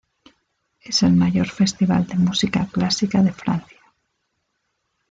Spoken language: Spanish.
Es el mayor festival de música clásica de Francia.